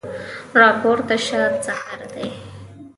راپورته شه سحر دی